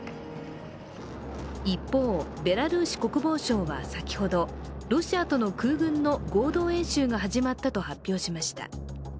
一方、ベラルーシ国防省は先ほどロシアとの空軍の合同演習が始まったと発表しました。